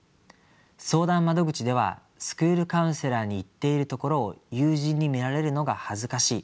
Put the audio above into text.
相談窓口では「スクールカウンセラーに行っているところを友人に見られるのが恥ずかしい」。